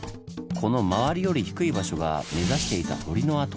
この周りより低い場所が目指していた堀の跡。